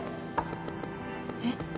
えっ？